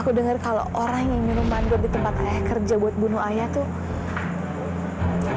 aku dengar kalau orang yang minum manggar di tempat ayah kerja buat bunuh ayah tuh